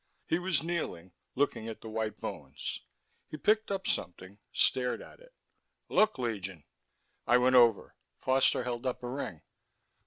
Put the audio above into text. He was kneeling, looking at the white bones. He picked up something, stared at it. "Look, Legion." I went over. Foster held up a ring.